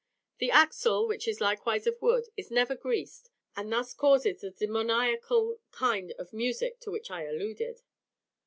The axle, which is likewise of wood, is never greased, and thus causes the demoniacal kind of music to which I alluded.